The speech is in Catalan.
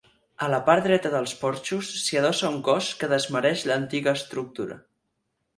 A la part dreta dels porxos s'hi adossa un cos que desmereix l'antiga estructura.